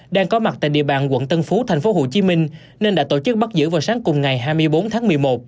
đang có mặt tại địa bàn quận tân phú tp hcm nên đã tổ chức bắt giữ vào sáng cùng ngày hai mươi bốn tháng một mươi một